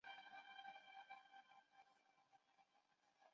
格林斯堡是路易斯安那州最古老的城镇之一。